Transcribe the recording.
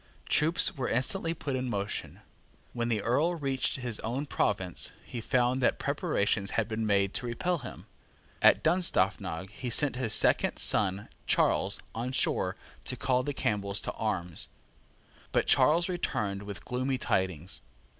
Troops were instantly put in motion. When the Earl reached his own province, he found that preparations had been made to repel him. At Dunstaffnage he sent his second son Charles on Shore to call the Campbells to arms. But Charles returned with gloomy tidings.